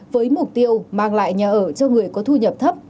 với mục tiêu mang lại nhà ở cho người có thu nhập thấp